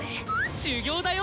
修業だよ！